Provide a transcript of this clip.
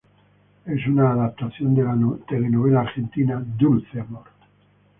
Es una adaptación de la telenovela argentina "Dulce amor".